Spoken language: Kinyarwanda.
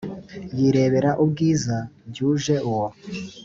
yirebera ubwiza byuje uwo